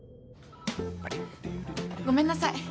ごめんなさい。